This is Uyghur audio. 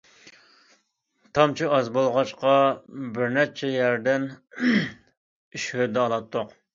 تامچى ئاز بولغاچقا، بىرنەچچە يەردىن ئىش ھۆددە ئالاتتۇق.